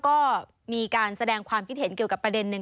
ก็มีการแสดงความคิดเห็นเกี่ยวกับประเด็นหนึ่ง